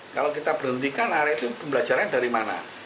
kalau kita berhentikan are itu pembelajaran dari mana